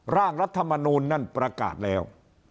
ร่างรัฐมนูลนั่นประกาศแล้ว